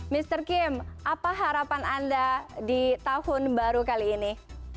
mr kim apa harapan anda di tahun baru kali ini